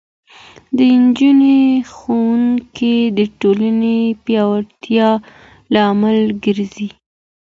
د نجونو ښوونځی د ټولنې پیاوړتیا لامل ګرځي.